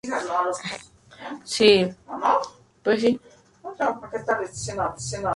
Su puesta suele constar de tres huevos.